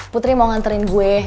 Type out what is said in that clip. putri mau nganterin gue